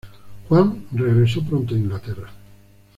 Juan regresó pronto a Inglaterra.